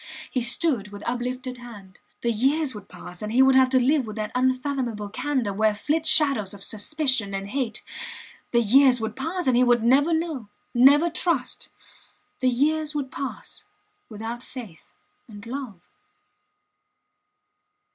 He stood with uplifted hand ... The years would pass and he would have to live with that unfathomable candour where flit shadows of suspicions and hate ... The years would pass and he would never know never trust ... The years would pass without faith and love.